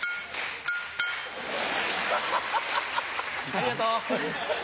ありがと。